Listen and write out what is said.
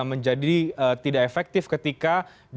menjadi tidak efektif ketika